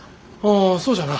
あそうじゃな。